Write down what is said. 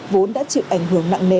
vốn đã chịu ảnh hưởng rất nhiều